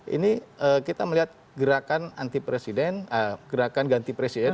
ini kita melihat gerakan ganti presiden